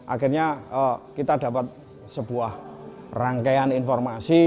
akhirnya kita dapat sebuah rangkaian informasi